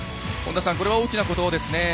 これは大きなことですね。